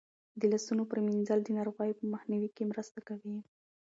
د لاسونو پریمنځل د ناروغیو په مخنیوي کې مرسته کوي.